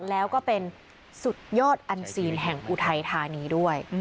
แล้วก็เป็นสุดยอดอันซีนแห่งอุทัยธานีด้วย